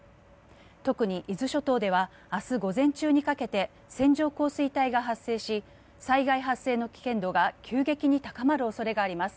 特に伊豆諸島では明日午前中にかけて線状降水帯が発生し災害発生の危険度が急激に高まる恐れがあります。